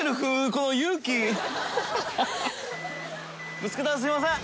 ぶつけたらすみません！